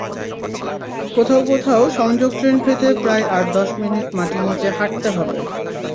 কোথাও কোথাও সংযোগ ট্রেন পেতে প্রায় আট-দশ মিনিট মাটির নিচে হাঁটতে হবে।